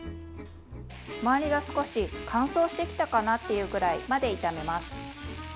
周りが少し乾燥してきたかなというくらいまで炒めます。